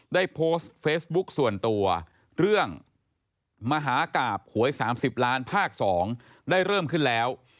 ได้โพสต์เฟซบุ๊คส่วนตัวเรื่องมหากราบหวย๓๐ล้านภาค๒ได้เริ่มขึ้นแล้ว